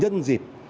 chủ tịch hồ chí minh